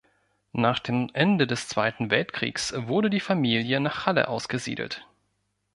Nach dem Ende des Zweiten Weltkriegs wurde die Familie nach Halle ausgesiedelt.